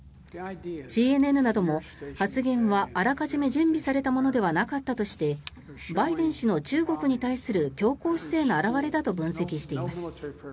ＣＮＮなども発言はあらかじめ準備されたものではなかったとしてバイデン氏の中国に対する強硬姿勢の表れだと分析しています。